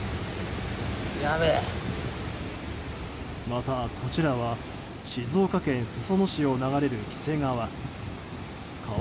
また、こちらは静岡県裾野市を流れる黄瀬川。